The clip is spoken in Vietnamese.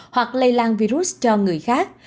hoặc lây lan virus cho người khác